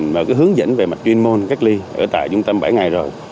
và cái hướng dẫn về mặt chuyên môn cách ly ở tại trung tâm bảy ngày rồi